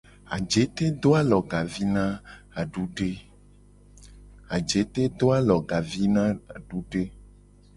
Ajete do alogavi na adude.